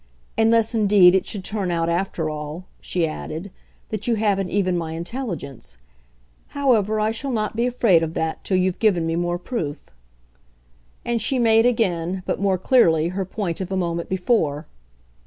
Unless indeed it should turn out after all," she added, "that you haven't even my intelligence. However, I shall not be afraid of that till you've given me more proof." And she made again, but more clearly, her point of a moment before.